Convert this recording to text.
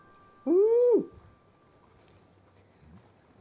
うん。